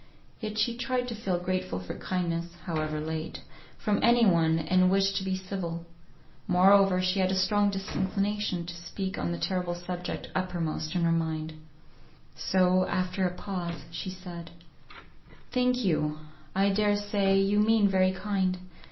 Yet she tried to feel grateful for kindness (however late) from any one, and wished to be civil. Moreover, she had a strong disinclination to speak on the terrible subject uppermost in her mind. So, after a pause she said, "Thank you. I dare say you mean very kind.